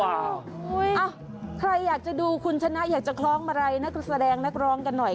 ใครอยากจะดูคุณชนะอยากจะคล้องอะไรนักแสดงนักร้องกันหน่อย